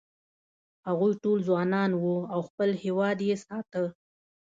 هغوی ټول ځوانان و او خپل هېواد یې ساته.